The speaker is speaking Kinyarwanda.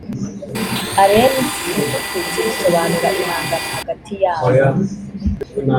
aryens hutu tutsi bisobanura ihangana hagati ya bo